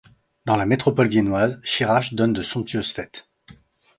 Dans la métropole viennoise, Schirach donne de somptueuses fêtes.